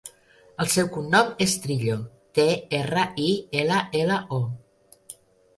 El seu cognom és Trillo: te, erra, i, ela, ela, o.